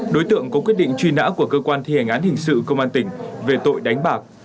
đối tượng có quyết định truy nã của cơ quan thi hành án hình sự công an tỉnh về tội đánh bạc